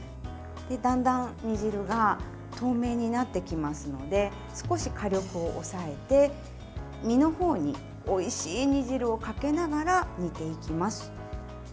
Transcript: だんだん煮汁が透明になってきますので少し火力を抑えて、身の方においしい煮汁をかけながら煮ていきます。